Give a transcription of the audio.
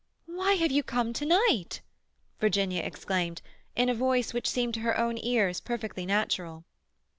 "Why have you come to night?" Virginia exclaimed, in a voice which seemed to her own ears perfectly natural.